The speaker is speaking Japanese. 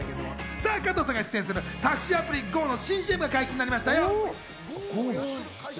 さぁ、加藤さんが出演する、タクシーアプリＧＯの新ＣＭが解禁になりましたよ。